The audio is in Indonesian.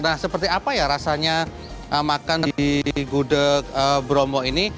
nah seperti apa ya rasanya makan di gudeg bromo ini